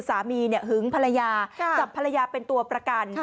หึงภรรยาจับภรรยาเป็นตัวประกัน